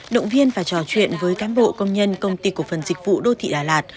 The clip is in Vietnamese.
động viên và trò chuyện với cán bộ công nhân công ty cổ phần dịch vụ đô thị đà lạt